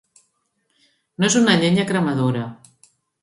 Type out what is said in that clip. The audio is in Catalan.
No és una llenya cremadora.